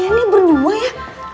kaliannya berdua ya